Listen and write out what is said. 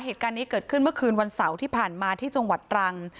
เหตุการณ์นี้เกิดขึ้นเมื่อคืนวันเสาร์ที่ผ่านมาที่จังหวัดตรัง